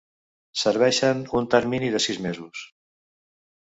Serveixen un termini de sis mesos.